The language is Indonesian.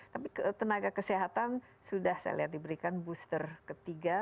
tapi tenaga kesehatan sudah saya lihat diberikan booster ketiga